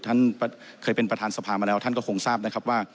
ท่านเคยเป็นประธานสภามาแล้วท่านก็คงทราบนะครับว่า